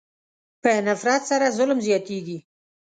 په نفرت سره ظلم زیاتېږي.